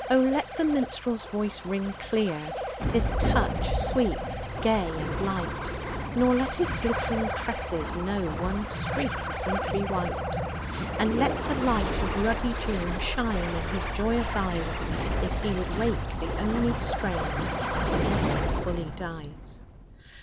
let the minstrePs voice ring clear. His touch sweep gay and light; Nor let his glittering tresses know One streak of wintry white. And let the light of ruddy June Shine in his joyous eyes. If he would wake the only strain That never fully dies